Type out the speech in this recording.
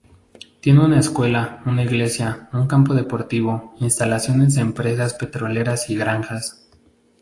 Tiene una escuela, una iglesia, una campo deportivo, instalaciones de empresas petroleras y granjas.